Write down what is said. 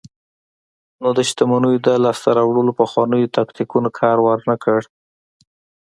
نو د شتمنیو د لاسته راوړلو پخوانیو تاکتیکونو کار ورنکړ.